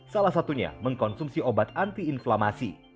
salah satunya mengkonsumsi obat anti inflamasi